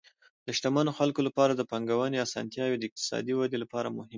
د شتمنو خلکو لپاره د پانګونې اسانتیاوې د اقتصادي ودې لپاره مهم دي.